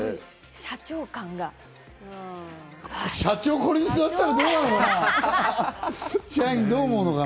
社長、これに座ってたら、どうなのかな？